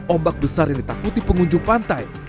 ombak besar yang ditakuti pengunjung pantai